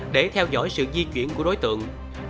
để theo dõi sự di chuyển của đối tượng